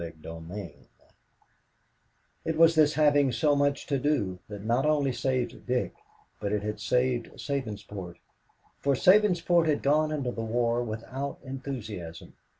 CHAPTER IX It was this having so much to do that not only saved Dick, but it had saved Sabinsport, for Sabinsport had gone into the war without enthusiasm.